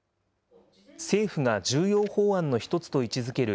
政府が重要法案の一つと位置づける